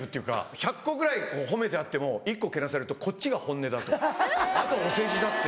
１００個ぐらい褒めてあっても１個けなされるとこっちが本音だとあとはお世辞だって。